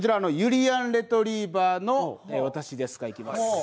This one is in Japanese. ゆりやんレトリィバァの私ですか、いきます。